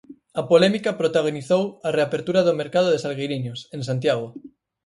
A polémica protagonizou a reapertura do mercado de Salgueiriños, en Santiago.